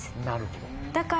なるほど。